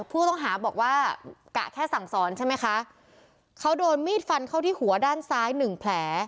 ผู้ต้องหาบอกว่ากะแค่สั่งสอนใช่ไหมคะเขาโดนมีดฟันเข้าที่หัวด้านซ้ายหนึ่งแผล